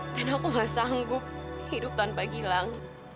dan aku gak sanggup hidup tanpa gilang